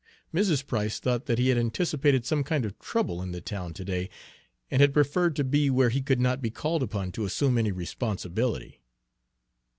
Mrs. Price thought that he had anticipated some kind of trouble in the town to day, and had preferred to be where he could not be called upon to assume any responsibility."